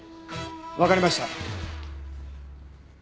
わかりました。